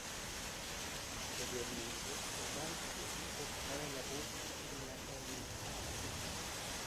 Posteriormente, el dance es interpretado en la puerta de la ermita.